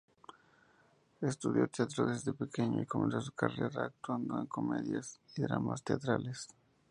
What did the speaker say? Estudió teatro desde pequeño y comenzó su carrera actuando en comedias y dramas teatrales.